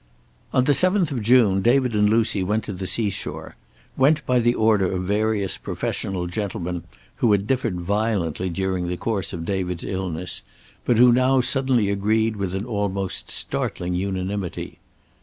XX On the seventh of June David and Lucy went to the seashore, went by the order of various professional gentlemen who had differed violently during the course of David's illness, but who now suddenly agreed with an almost startling unanimity.